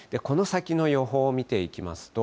この先の予報見雪が続きます。